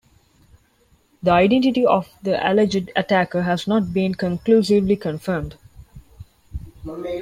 The identity of the alleged attacker has not been conclusively confirmed.